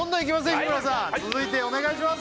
日村さん続いてお願いします